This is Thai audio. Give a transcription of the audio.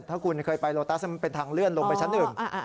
ถ้าคุณเคยไปโลตัสมันเป็นทางเลื่อนลงไปชั้นอื่น